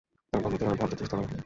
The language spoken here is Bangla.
তবে বন্ধুত্বের আর ভদ্রস্থতা নাই।